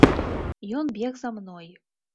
Ён бег за мной.